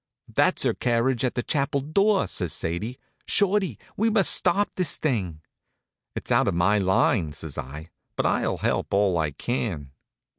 "That's her carriage at the chapel door," says Sadie. "Shorty, we must stop this thing." "It's out of my line," says I, "but I'll help all I can."